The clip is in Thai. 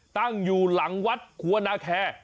ตั้งอยู่หลังวัดครัวนาแคร์